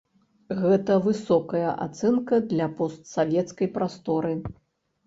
Гэта высокая ацэнка для постсавецкай прасторы.